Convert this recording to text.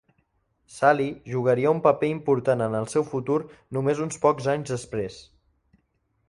Saly jugaria un paper important en el seu futur només uns pocs anys després.